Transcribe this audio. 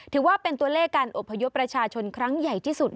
ถือว่าเป็นตัวเลขการอบพยพประชาชนครั้งใหญ่ที่สุด